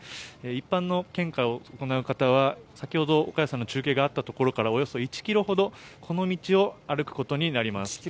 一般の献花を行う方は先ほど岡安さんの中継があったところからおよそ１ｋｍほどこの道を歩くことになります。